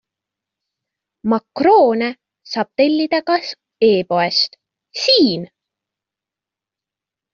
Makroone saab tellida ka e-poest SIIN!